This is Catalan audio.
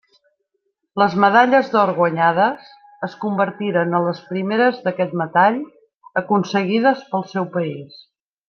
Les medalles d'or guanyades es convertiren en les primeres d'aquest metall aconseguides pel seu país.